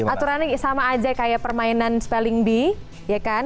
aturannya sama aja kayak permainan spelling bee ya kan